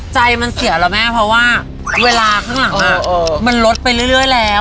ใจมันเสียแล้วแม่เพราะว่าเวลาข้างหลังมันลดไปเรื่อยแล้ว